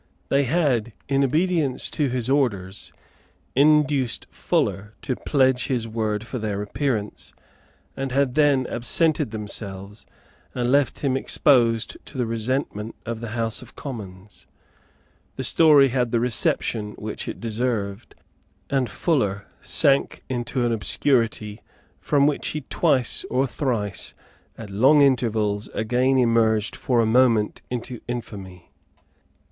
They had, in obedience to his orders, induced Fuller to pledge his word for their appearance, and had then absented themselves, and left him exposed to the resentment of the House of Commons. The story had the reception which it deserved, and Fuller sank into an obscurity from which he twice or thrice, at long intervals, again emerged for a moment into infamy.